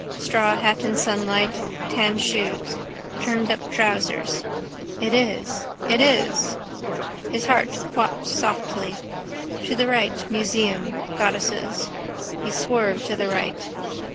Straw hat in sunlight. Tan shoes. Turnedup trousers. It is. It is. His heart quopped softly. To the right. Museum. Goddesses. He swerved to the right.